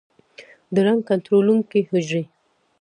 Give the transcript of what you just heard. د رنګ کنټرولونکو حجرې